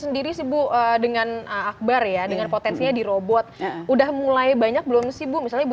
sendiri sih bu dengan akbar ya dengan potensinya di robot udah mulai banyak belum sih bu misalnya